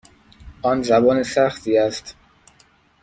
آن زبان سختی است.